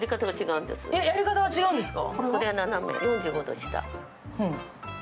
やり方が違うんですか？